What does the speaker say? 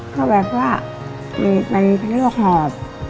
แปลกว่าในตั๊ยโรคหอบ